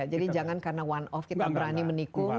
jadi jangan karena one off kita berani menikung